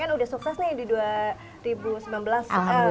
kan udah sukses nih di dua ribu sembilan belas